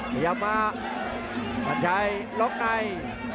พยายามมาปัจชัยล็อกใน